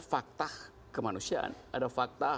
fakta kemanusiaan ada fakta